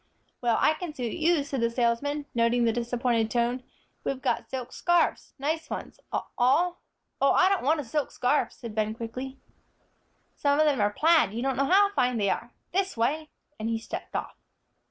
"Well, I can suit you," said the salesman, noting the disappointed tone; "we've got silk scarfs, nice ones, all " "Oh, I don't want a silk scarf," said Ben, quickly. "Some of them are plaid; you don't know how fine they are. This way," and he stepped off.